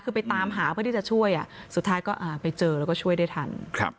คือไปตามหาเพื่อที่จะช่วยสุดท้ายก็ไปเจอแล้วก็ช่วยได้ทัน